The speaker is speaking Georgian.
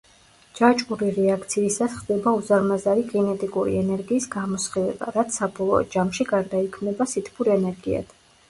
ჯაჭვური რეაქციისას ხდება უზარმაზარი კინეტიკური ენერგიის გამოსხივება, რაც საბოლოო ჯამში გარდაიქმნება სითბურ ენერგიად.